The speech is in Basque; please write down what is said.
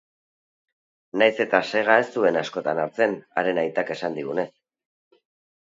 Nahiz eta sega ez duen askotan hartzen, haren aitak esan digunez.